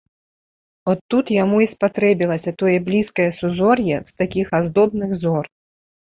От тут яму й спатрэбілася тое блізкае сузор'е з такіх аздобных зор.